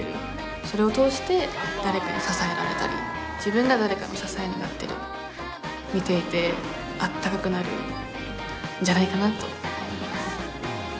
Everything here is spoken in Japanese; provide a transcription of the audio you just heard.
それを通して誰かに支えられたり自分が誰かの支えになったり見ていてあったかくなるんじゃないかなと思います。